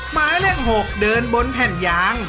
หมายเลข๖เดินบนแผ่นยาง